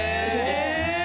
え！？